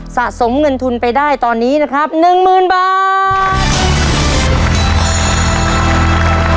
สะสมเงินทุนไปได้ตอนนี้นะครับ๑๐๐๐บาท